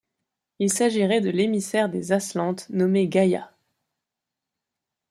Il s'agirait de l'émissaire des Aslantes, nommée Gaïa.